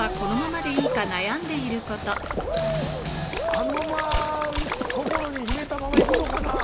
あのまま心に秘めたまま行くのかな。